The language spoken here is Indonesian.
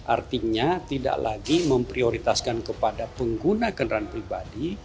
artinya tidak lagi memprioritaskan kepada pengguna kendaraan pribadi